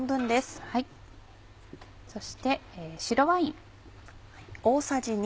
そして白ワイン。